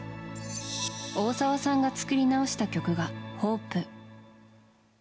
大沢さんが作り直した曲が「ＨＯＰＥ」。